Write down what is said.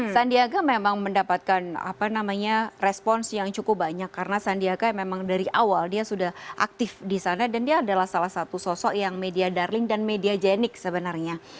jadi dia sudah mendapatkan apa namanya respons yang cukup banyak karena sandiaka memang dari awal dia sudah aktif di sana dan dia adalah salah satu sosok yang media darling dan mediagenik sebenarnya